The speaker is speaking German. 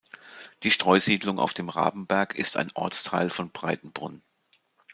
Die Streusiedlung auf dem Rabenberg ist ein Ortsteil von Breitenbrunn.